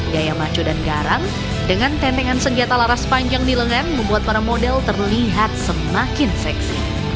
gaya maco dan garam dengan tentengan senjata laras panjang di lengan membuat para model terlihat semakin seksi